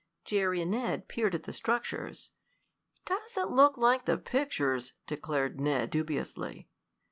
Jerry and Ned peered at the structures. "It doesn't look like the pictures," declared Ned, dubiously.